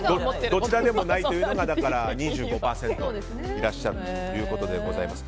どちらでもないが２５％いらっしゃるということです。